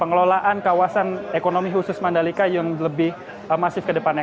pengelolaan kawasan ekonomi khusus mandalika yang lebih masif ke depannya